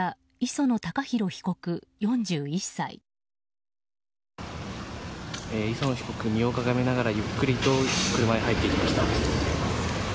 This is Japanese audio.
磯野被告身をかがめながらゆっくりと車へ入っていきました。